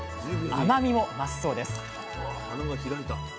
甘みも増すそうです